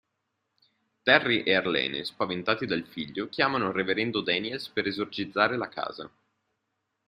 Terry e Arlene spaventati dal figlio chiamano il reverendo Daniels per esorcizzare la casa.